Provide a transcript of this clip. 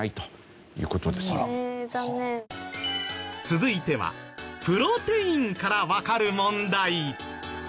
続いてはプロテインからわかる問題。